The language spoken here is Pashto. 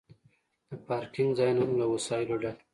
د پارکینګ ځایونه هم له وسایلو ډک وي